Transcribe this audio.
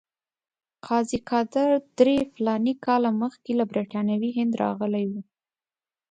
قاضي قادر درې فلاني کاله مخکې له برټانوي هند راغلی وو.